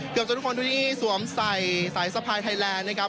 จนทุกคนที่นี่สวมใส่สายสะพายไทยแลนด์นะครับ